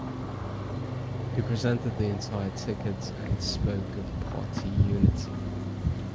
He presented the entire ticket and spoke of party unity.